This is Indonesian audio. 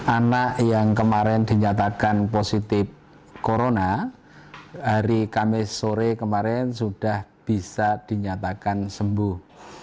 anak yang kemarin dinyatakan positif corona hari kamis sore kemarin sudah bisa dinyatakan sembuh